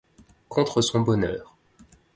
contre son bonheur.